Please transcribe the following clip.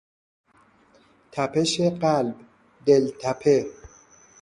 تپش قلب، دلتپه